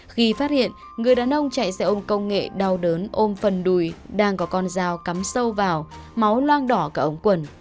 khi phát hiện người đàn ông chạy xe ôm công nghệ đau đớn ôm phần đùi đang có con dao cắm sâu vào máu loang đỏ cả ống quần